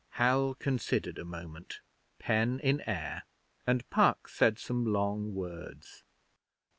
Hal considered a moment, pen in air, and Puck said some long words.